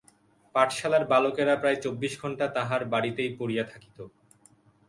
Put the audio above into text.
পাঠশালার বালকেরা প্রায় চব্বিশ ঘণ্টা তাঁহার বাড়িতেই পড়িয়া থাকিত।